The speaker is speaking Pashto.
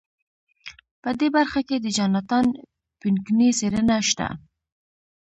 په دې برخه کې د جاناتان پینکني څېړنه شته.